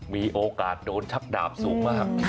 มีโอกาสโดนชักดาบสูงมาก